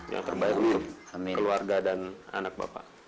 yang terbaik untuk keluarga dan anak bapak